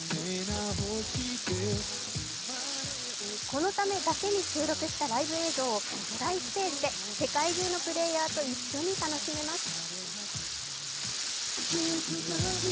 このためだけに収録したライブ映像を巨大ステージで世界中のプレーヤーと一緒に楽しめます。